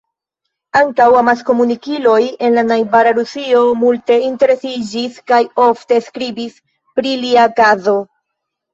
Ankaŭ amaskomunikiloj en la najbara Rusio multe interesiĝis kaj ofte skribis pri lia kazo.